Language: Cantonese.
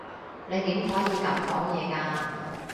你點可以噉講嘢㗎？